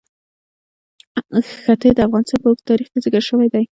ښتې د افغانستان په اوږده تاریخ کې ذکر شوی دی.